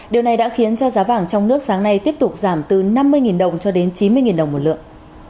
điều này đã khiến cho giá vàng trong nước sáng nay tiếp tục giảm từ năm mươi đồng cho đến chín mươi đồng một lượng